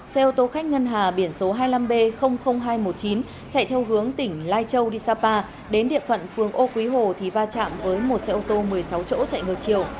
xe ô tô khách ngân hà biển số hai mươi năm b hai trăm một mươi chín chạy theo hướng tỉnh lai châu đi sapa đến địa phận phường ô quý hồ thì va chạm với một xe ô tô một mươi sáu chỗ chạy ngược chiều